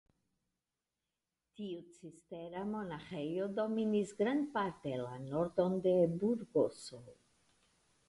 Tiu cistera monaĥejo dominis grandparte la nordon de Burgoso.